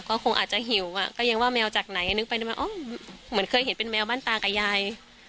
ก็คงอาจจะหิวอ่ะก็ยังว่าแมวจากไหนนึกไปเหมือนเคยเห็นเป็นแมวบ้านตากับยาย